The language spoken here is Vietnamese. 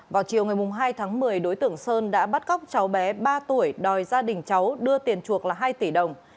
vào chiều ngày hai tháng một mươi đối tượng sơn đã bắt cóc cháu bé ba tuổi đòi gia đình cháu đưa tiền chuộc là hai tỷ đồng